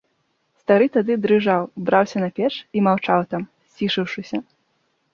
Стары тады дрыжаў, браўся на печ і маўчаў там, сцішыўшыся.